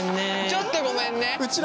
ちょっとごめんね。